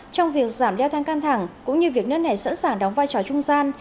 trong việc giảm đeo thang căng thẳng cũng như việc nước này sẵn sàng đóng vai trò trung gian